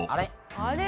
あれ？